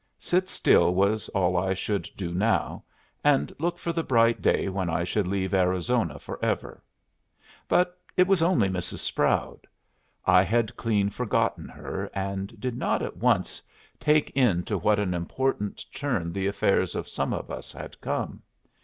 Sit still was all I should do now, and look for the bright day when I should leave Arizona forever. But it was only Mrs. Sproud. I had clean forgotten her, and did not at once take in to what an important turn the affairs of some of us had come.